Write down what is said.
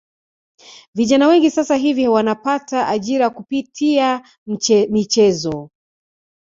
Vijana wengi sasa hivi wanapata ajira kupitia michezo